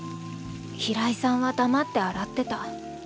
平井さんは黙って洗ってた。